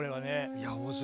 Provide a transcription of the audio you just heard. いや面白いね。